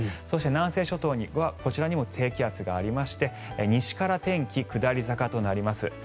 そして、南西諸島にも低気圧がありまして西から天気、下り坂となります。